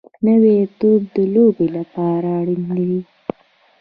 نوی توپ د لوبو لپاره اړین وي